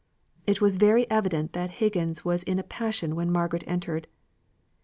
It was very evident that Higgins was in a passion when Margaret entered.